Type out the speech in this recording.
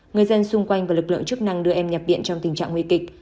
người dân xung quanh và lực lượng chức năng đưa em nhập viện trong tình trạng nguy kịch